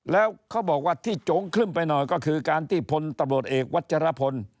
แล้วเขาบอกว่าที่โจ๊งครึ่มไปหน่อยก็คือการที่พลตำรวจเอกวัชรพล